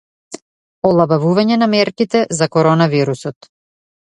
Олабавување на мерките за коронавирусот